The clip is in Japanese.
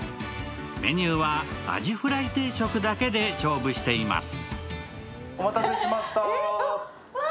メニューはアジフライ定食だけで勝負しています。